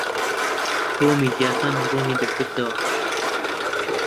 بۆ میدیاکان ڕوونی دەکردەوە